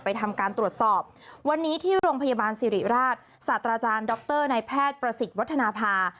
ทำการตรวจสอบวันนี้ที่โรงพยาบาลสิริราชศาสตราจารย์ดรนายแพทย์ประสิทธิ์วัฒนภา